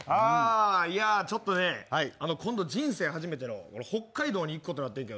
ちょっとね、今度人生初めての北海道に行くことになってるのよ。